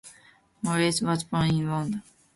Morris was born in London.